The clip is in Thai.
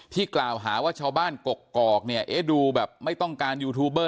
ที่กล่าวหาว่าชาวบ้านกกอกดูแบบไม่ต้องการยูทูปเบอร์